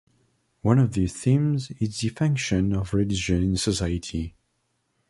One of these themes is the function of religion in society.